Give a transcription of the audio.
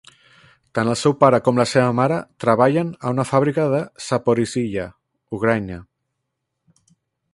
Tant el seu pare com la seva mare treballen a una fàbrica de Zaporizhya (Ucraïna).